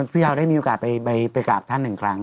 พี่ยาวได้มีโอกาสไปกราบท่านหนึ่งครั้ง